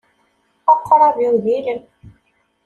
Aqrab-iw d ilem.